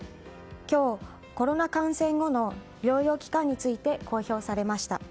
今日、コロナ感染後の療養期間について公表されました。